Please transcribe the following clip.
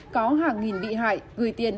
có hàng nghìn bị hại gửi tiền